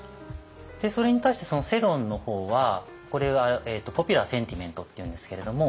それに対して世論の方はこれはポピュラー・センチメントって言うんですけれども。